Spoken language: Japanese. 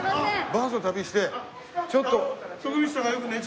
バスの旅してちょっと。